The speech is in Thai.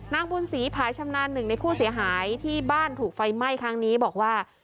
นางบุญศรีผายชำนาญหนึ่งในผู้เสียหายที่บ้านถูกไฟไหม้ครั้งนี้บอกว่า